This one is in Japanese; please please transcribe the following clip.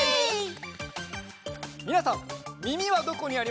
みなさんみみはどこにありますか？